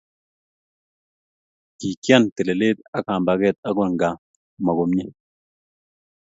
kikyan telele ak kambaket akot ngan mo komie